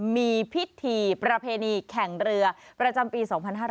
มีพิธีประเพณีแข่งเรือประจำปี๒๕๕๙